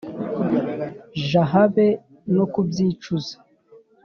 j habe no kubyicuza